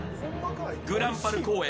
ぐらんぱる公園